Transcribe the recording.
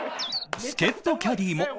助っ人キャディーも